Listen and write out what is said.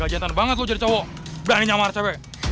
gajetan banget lo jadi cowok berani nyamar cewek